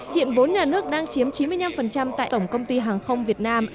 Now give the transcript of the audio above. hiện vốn nhà nước đang chiếm chín mươi năm tại tổng công ty hàng không việt nam